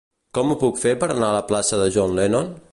Com ho puc fer per anar a la plaça de John Lennon?